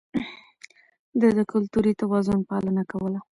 ده د کلتوري توازن پالنه کوله.